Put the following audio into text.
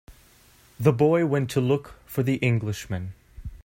The boy went to look for the Englishman.